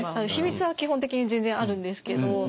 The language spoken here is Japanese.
秘密は基本的に全然あるんですけど。